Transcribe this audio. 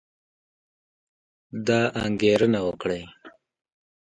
دا انګېرنه وکړئ